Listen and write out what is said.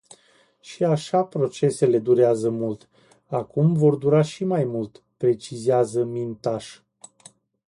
Și așa procesele durează mult, acum vor dura și mai mult, precizează Mintaș.